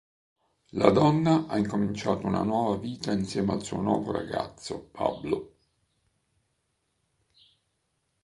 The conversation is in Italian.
La donna ha incominciato una nuova vita, insieme al suo nuovo ragazzo, Pablo.